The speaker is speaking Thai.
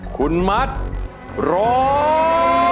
คุณมัดร้อง